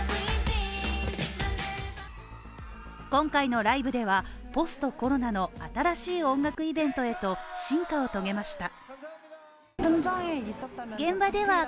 今回のライブでは、ポスト・コロナの新しい音楽イベントへと進化を遂げました。